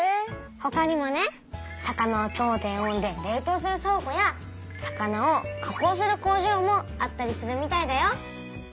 ほかにもね魚を超低温で冷とうする倉庫や魚を加工する工場もあったりするみたいだよ。